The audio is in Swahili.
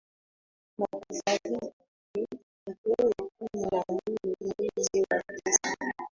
Na kufariki tarehe kumi na mbili mwezi wa tisa